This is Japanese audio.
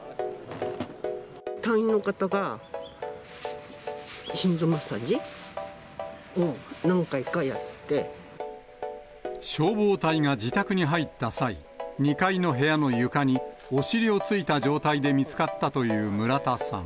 隊員の方が心臓マッサージを消防隊が自宅に入った際、２階の部屋の床にお尻をついた状態で見つかったという村田さん。